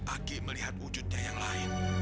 aki melihat wujudnya yang lain